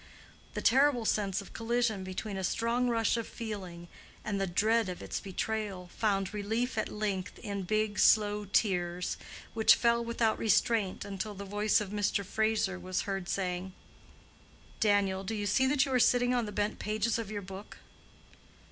The terrible sense of collision between a strong rush of feeling and the dread of its betrayal, found relief at length in big slow tears, which fell without restraint until the voice of Mr. Fraser was heard saying: "Daniel, do you see that you are sitting on the bent pages of your book?"